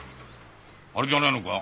あれじゃねえのか？